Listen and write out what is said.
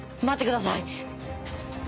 待ってください！